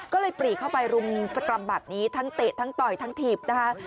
ก็เลยปรีเข้าไปรุมสกรรมแบบนี้ทั้งเตะทั้งต่อยทั้งถีบนะคะ